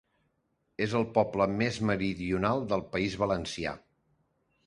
És el poble més meridional del País Valencià.